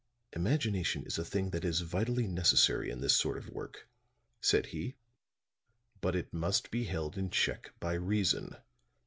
"Imagination is a thing that is vitally necessary in this sort of work," said he. "But it must be held in check by reason.